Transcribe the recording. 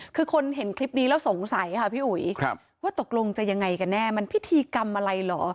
คือคนเห็นคลิปนี้แล้วสงสัยค่ะพี่อุ๋ยว่าตกลงจะยังไงกันแน่มันพิธีกรรมอะไรเหรอ